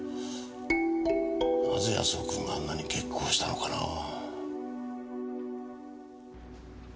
なぜ安雄くんがあんなに激昂したのかなぁ。